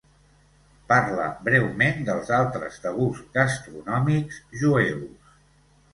Parla breument dels altres tabús gastronòmics jueus.